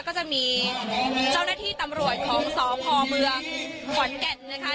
ก็จะมีเจ้าหน้าที่ตำรวจของสพเมืองขอนแก่นนะคะ